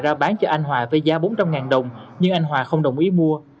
ra bán cho anh hòa với giá bốn trăm linh đồng nhưng anh hòa không đồng ý mua